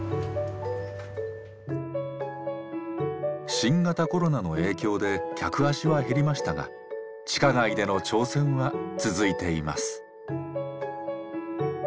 新型コロナの影響で客足は減りましたが地下街での挑戦は続いています。